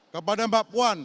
kepada mbak puan